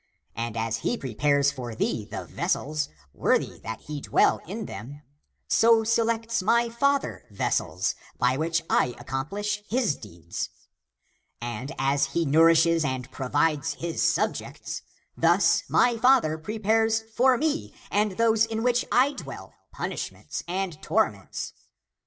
And as he pre pares for thee the vessels, worthy that he dwell in them, so selects he (my father) vessels, by which I accomplish his deeds. And as he nourishes and provides his subjects, thus he (my father) prepares for me and those in which I dwell punishments and torments.